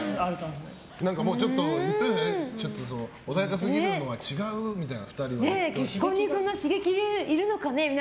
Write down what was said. ちょっと、穏やかすぎるのは違うみたいな。